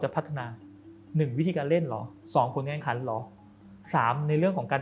ประกอบเรื่องต้องตกฐาน